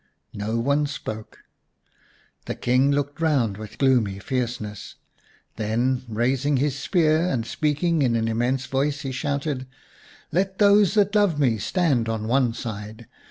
No one spoke. The King looked around with gloomy fierceness. Then, raising his spear and speaking in an immense voice, he shouted :" Let those that love me stand on one side.